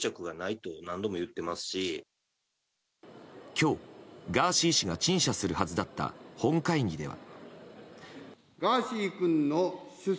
今日、ガーシー氏が陳謝するはずだった本会議では。